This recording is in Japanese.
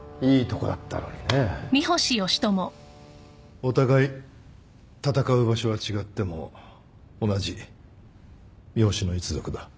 お互い戦う場所は違っても同じ三星の一族だ。